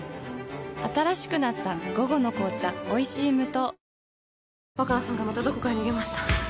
新しくなった「午後の紅茶おいしい無糖」